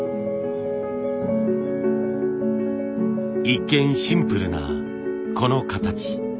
一見シンプルなこの形。